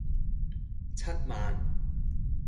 七萬